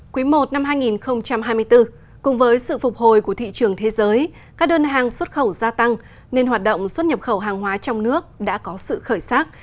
quý i năm hai nghìn hai mươi bốn cùng với sự phục hồi của thị trường thế giới các đơn hàng xuất khẩu gia tăng nên hoạt động xuất nhập khẩu hàng hóa trong nước đã có sự khởi sát